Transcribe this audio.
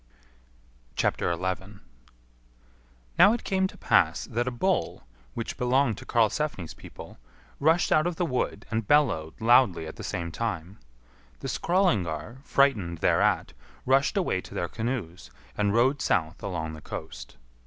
11. Now it came to pass that a bull, which belonged to Karlsefni's people, rushed out of the wood and bellowed loudly at the same time. The Skrœlingar, frightened thereat, rushed away to their canoes, and rowed south along the coast.